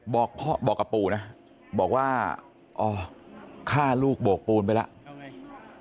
บอกกับปู่นะบอกว่าอ๋อฆ่าลูกโบกปูนไปแล้ว